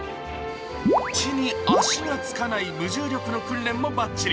地に足が着かない無重力の訓練もばっちり。